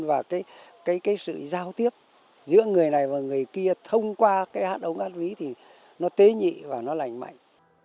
và cái sự giao tiếp giữa người này và người kia thông qua cái hát ống ác quý thì nó tế nhị và nó lành mạnh